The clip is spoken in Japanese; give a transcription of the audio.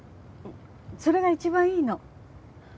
それが一番いいの。